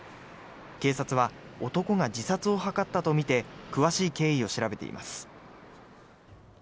警察は男が自殺を図ったとみて詳しい経緯を調べています。